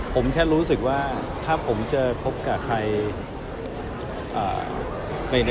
ผมแค่รู้สึกว่าถ้าผมจะคบกับใคร